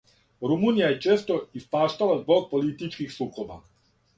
Румунија је пречесто испаштала због политичких сукоба.